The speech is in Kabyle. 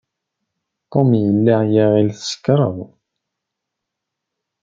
Tom yella iɣill tsekṛeḍ.